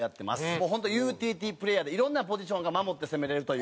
もう本当ユーティリティープレーヤーでいろんなポジションが守って攻められるという。